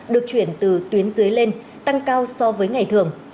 được chuyển từ tuyến dưới lên tăng cao so với ngày thường